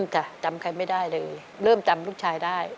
จ้ะจำใครไม่ได้เลยเริ่มจำลูกชายได้